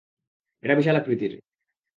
এটা বিশাল আকৃতির!